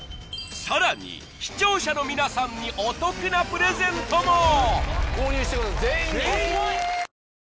さらに視聴者の皆さんにお得なプレゼントも！